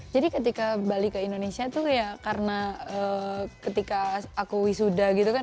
jadi ketika balik ke indonesia itu ya karena ketika aku wisuda gitu kan